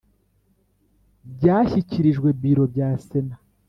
byashyikirijwe Biro bya Sena